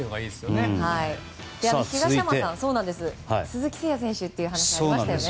東山さんから鈴木誠也選手というお話がありましたよね。